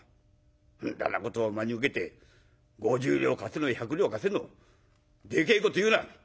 んだなことを真に受けて５０両貸せの百両貸せのでけえこと言うな。